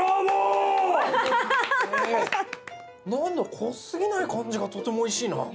濃過ぎない感じがとてもおいしいな。